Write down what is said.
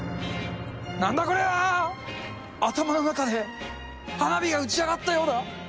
なんだこりゃ、頭の中で花火が打ち上がったようだ。